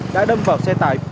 đã đâm vào xe tải biển